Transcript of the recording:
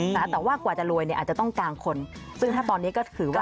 แต่ว่ากว่าจะรวยเนี่ยอาจจะต้องกลางคนซึ่งถ้าตอนนี้ก็ถือว่า